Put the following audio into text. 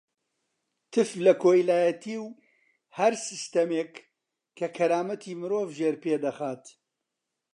تف لە کۆیلایەتی و هەر سیستەمێک کە کەرامەتی مرۆڤ ژێرپێ دەخات.